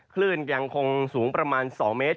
คลื่นยังคงสูงประมาณ๒เมตร